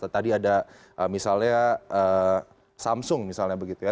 tadi ada misalnya samsung misalnya begitu ya